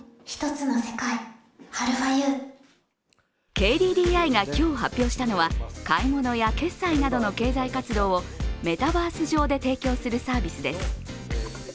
ＫＤＤＩが今日発表したのは、買い物や決済などの経済活動をメタバース上で提供するサービスです。